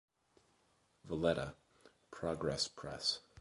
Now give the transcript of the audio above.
Valletta: Progress Press.